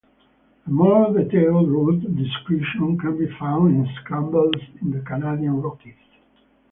A more detailed route description can be found in "Scrambles in the Canadian Rockies".